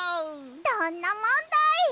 どんなもんだい！